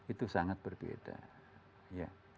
itu sangat berbeda